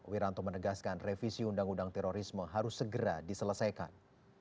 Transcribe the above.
wiranto menegaskan revisi undang undang terorisme harus segera diselesaikan